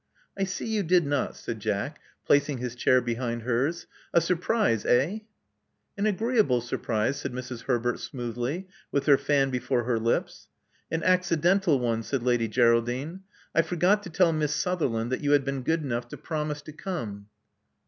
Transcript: I see you did not," said Jack, placing his chair behind hers. A surprise, eh?" An agreeable surprise," said Mrs. Herbert smoothly, with her fan before her lips. An accidental one," said Lady Geraldine. I for got to tell Miss Sutherland that you had been good enough to promise to come."